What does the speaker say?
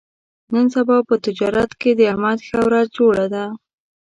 نن سبا په تجارت کې د احمد ښه ورځ جوړه ده.